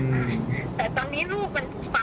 ที่เราเสียใจที่สุดคือเขาจำได้แล้ว